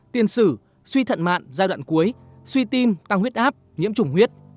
tiên sử suy thận mạn giai đoạn cuối suy tim tăng huyết áp nhiễm chủng huyết